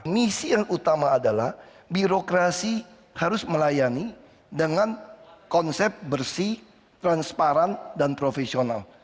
misi yang utama adalah birokrasi harus melayani dengan konsep bersih transparan dan profesional